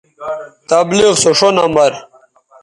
تبلیغ سو ݜو نمبر